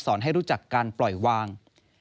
ให้รู้จักการปล่อยวาง